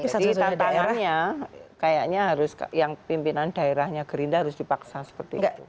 jadi tantangannya kayaknya harus yang pimpinan daerahnya gerinda harus dipaksa seperti itu